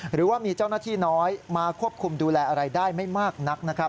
หรือว่ามีเจ้าหน้าที่น้อยมาควบคุมดูแลอะไรได้ไม่มากนักนะครับ